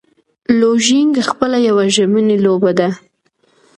لوژینګ خپله یوه ژمنی لوبه ده.